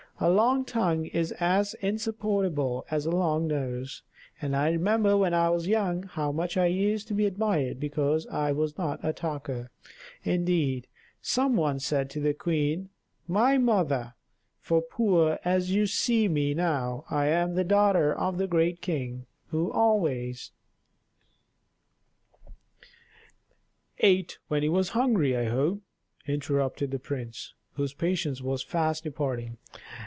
A long tongue is as insupportable as a long nose; and I remember when I was young how much I used to be admired because I was not a talker; indeed, some one said to the queen, my mother, for poor as you see me now I am the daughter of a great king, who always " "Ate when he was hungry, I hope," interrupted the Prince, whose patience was fast departing.